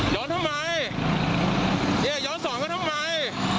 ย้อนทำไมเนี่ยย้อนสองก็ทำไม